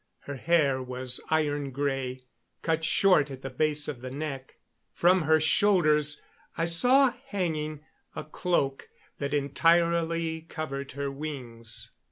Her hair was iron gray, cut short at the base of the neck. From her shoulders I saw hanging a cloak that entirely covered her wings.